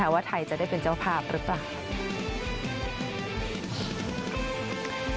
ว่าไทยจะได้เป็นเจ้าภาพหรือเปล่า